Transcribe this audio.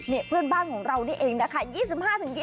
นี่เพื่อนบ้านของเรานี่เองนะคะ